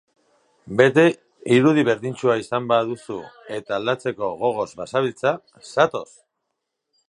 Beti irudi berdintsua izan baduzu eta aldatzeko gogoz bazabiltza, zatoz!